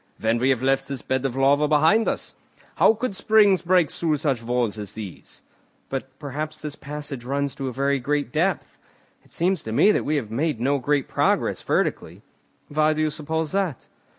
"When we have left this bed of lava behind us. How could springs break through such walls as these?" "But perhaps this passage runs to a very great depth. It seems to me that we have made no great progress vertically." "Why do you suppose that?"